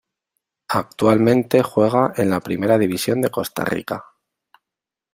Actualmente juega en la Primera División de Costa Rica.